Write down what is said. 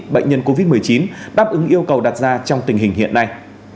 bệnh nhân covid một mươi chín đáp ứng yêu cầu đặt ra trong tình hình hiện nay